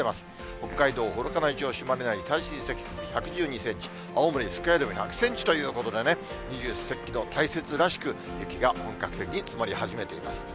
北海道幌加内町朱鞠内、最深積雪１１２センチ、青森・酸ヶ湯でも１００センチということで、二十四節気の大雪らしく、雪が本格的に積もり始めています。